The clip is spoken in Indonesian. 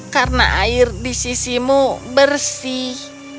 karena air di sisimu bersih